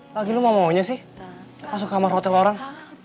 lagi lo mau maunya sih masuk kamar hotel orang